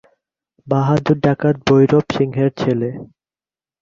বাহাদুর ডাকাত ভৈরব সিংহের ছেলে।